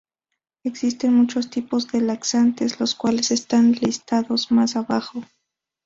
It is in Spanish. Existen muchos tipos de laxantes, los cuales están listados más abajo.